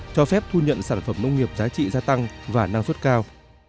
cho phép thu nhận sản phẩm nông nghiệp giá trị gia tăng và năng suất cao